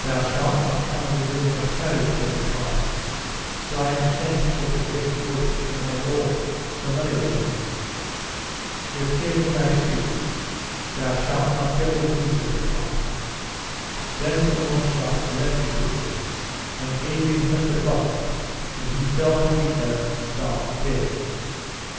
Thou shalt not come within my chariot, said the carter, for I am sent for to fetch wood for my lord, Sir Meliagrance. With him would I speak. Thou shalt not go with me, said the carter. Then Sir Launcelot leapt to him, and gave him such a buffet that he fell to the earth stark dead.